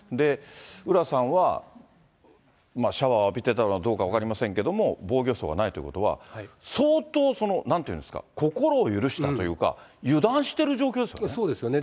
浦さんは、シャワーを浴びてたかどうか分かりませんけども、防御そうはないということは、相当、そのなんていうんですか、心を許したというか、油断してるそうですよね、